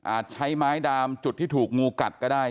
ใช้ไม้ดามจุดที่ถูกงูกัดก็ได้